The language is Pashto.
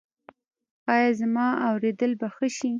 ایا زما اوریدل به ښه شي؟